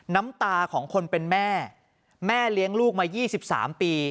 น้ำตาของคนเป็นแม่แม่เลี้ยงลูกมายี่สิบสามปี